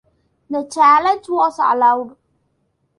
The challenge was allowed.